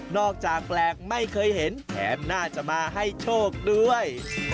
จากแปลกไม่เคยเห็นแถมน่าจะมาให้โชคด้วย